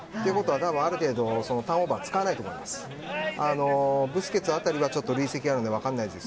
たぶん、ある程度ターンオーバー使わないということです。